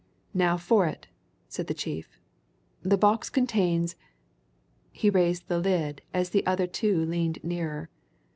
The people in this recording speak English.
"Now for it!" said the chief. "The box contains " He raised the lid as the other two leaned nearer.